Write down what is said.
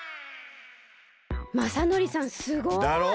まさのりさんすごい！だろ？